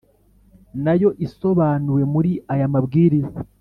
nayo isobanuwe muri aya mabwiriza